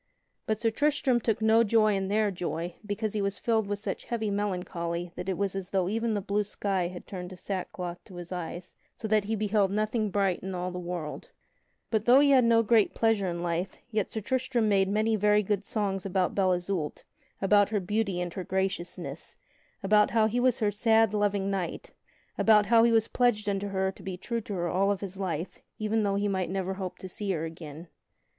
But Sir Tristram took no joy in their joy because he was filled with such heavy melancholy that it was as though even the blue sky had turned to sackcloth to his eyes, so that he beheld nothing bright in all the world. [Sidenote: Sir Tristram tells of the Lady Bell Isoult] But though he had no great pleasure in life, yet Sir Tristram made many very good songs about Belle Isoult; about her beauty and her graciousness; about how he was her sad, loving knight; about how he was pledged unto her to be true to her all of his life even though he might never hope to see her again.